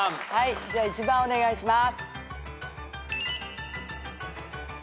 じゃあ１番お願いします。